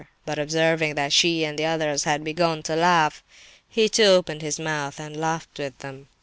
But observing that she and the others had begun to laugh, he too opened his mouth and laughed with them.